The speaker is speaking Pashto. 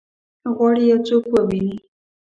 غواړي یو څوک وویني؟